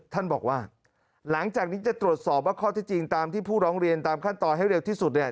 ท่านบอกว่าหลังจากนี้จะตรวจสอบว่าข้อที่จริงตามที่ผู้ร้องเรียนตามขั้นตอนให้เร็วที่สุดเนี่ย